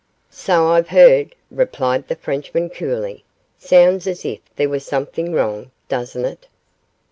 'So I've heard,' replied the Frenchman, coolly; 'sounds as if there was something wrong, doesn't it?